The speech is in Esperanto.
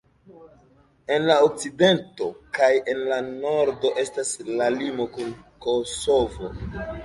En la okcidento kaj en la nordo estas la limo kun Kosovo.